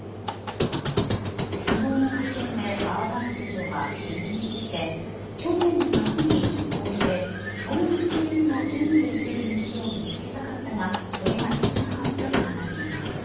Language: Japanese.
昨日の会見でアーダーン首相は辞任について去年の夏に熟考してもう１期分の準備をする道を見つけたかったがそれができなかったと話しています。